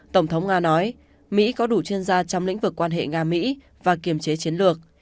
tổng thống nga nói mỹ có đủ chuyên gia trong lĩnh vực quan hệ nga mỹ và kiềm chế chiến lược